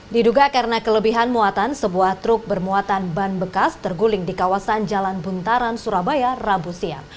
diduga karena kelebihan muatan sebuah truk bermuatan ban bekas terguling di kawasan jalan buntaran surabaya rabu siang